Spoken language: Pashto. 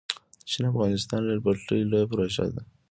د چین - افغانستان ریل پټلۍ لویه پروژه ده